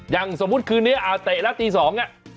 อย่างสมมุติคืนนี้เตะแล้วตี๒อ่ะ